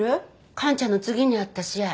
かんちゃんの次にあった試合。